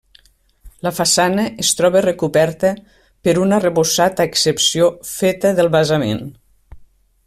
La façana es troba recoberta per un arrebossat a excepció feta del basament.